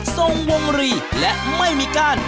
ทรงวงรีและไม่มีก้าน